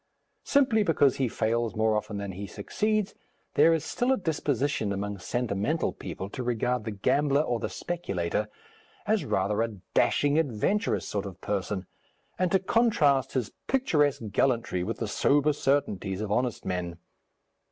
Simply because he fails more often than he succeeds, there is still a disposition among sentimental people to regard the gambler or the speculator as rather a dashing, adventurous sort of person, and to contrast his picturesque gallantry with the sober certainties of honest men.